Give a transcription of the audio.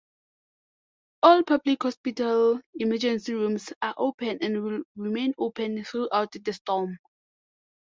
All public hospital emergency rooms are open and will remain open throughout the storm.